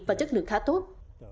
và chất lượng khá tốt